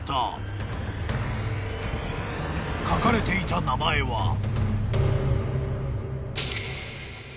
［書かれていた名前は］